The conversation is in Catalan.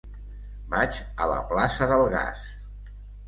Vaig a la plaça del Gas.